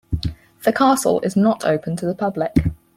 The castle is not open to the public.